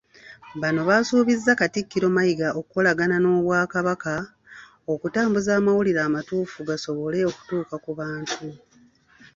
Bano basuubizza Katikkiro Mayiga okukolagana n'Obwakabaka, okutambuza amawulire amatuufu gasobole okutuuka ku bantu.